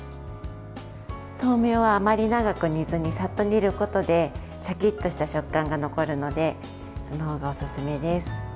豆苗はあまり長く煮ずにさっと煮ることでしゃきっとした食感が残るのでそのほうがおすすめです。